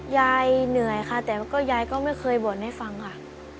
เหนื่อยค่ะแต่ก็ยายก็ไม่เคยบ่นให้ฟังค่ะ